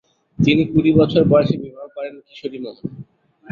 তিনি কুড়ি বছর বয়সে বিবাহ করেন কিশোরীমোহন।